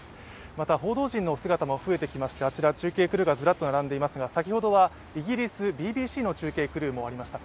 また、報道陣の姿も増えてきましてあちら、中継クルーがずらっと並んでいますがイギリス・ＢＢＣの中継クルーもありました。